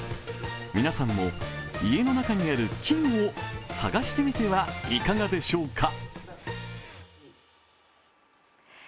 皆さんも、家の中にある金を探してみてはいかがでしょうか。